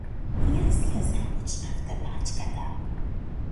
Јас ја започнав тепачката.